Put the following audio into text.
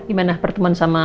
gimana pertemuan sama